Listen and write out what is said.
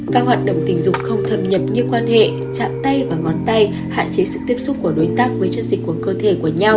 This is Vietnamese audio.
các hoạt động tình dục không thập nhập như quan hệ chạm tay và ngón tay hạn chế sự tiếp xúc của đối tác với chân dịch của cơ thể của nhau